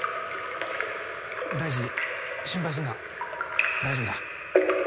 大志心配すんな大丈夫だ。